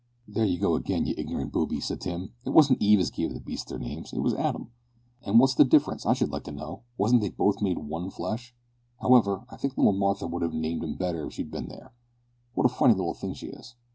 "There you go again, you ignorant booby," said Tim; "it wasn't Eve as gave the beasts their names. It was Adam." "An' wot's the difference, I should like to know? wasn't they both made one flesh? However, I think little Martha would have named 'em better if she'd bin there. What a funny little thing she is!"